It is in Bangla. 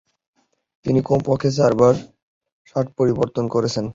তিনি কমপক্ষে চারবার শার্ট পরিবর্তন করেছেন।